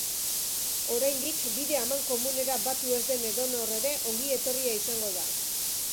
Oraindik bide amankomunera batu ez den edonor ere ongi etorria izango da.